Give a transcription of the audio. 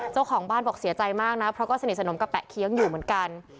เจ้าของบ้านบอกเสียใจมากนะเพราะก็สนิทสนมกับแปะเคี้ยงอยู่เหมือนกัน